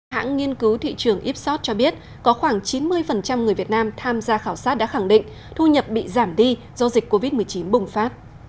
hãng nghiên cứu thị trường ipsos cho biết có khoảng chín mươi người việt nam tham gia khảo sát đã khẳng định thu nhập bị giảm đi do dịch covid một mươi chín bùng phát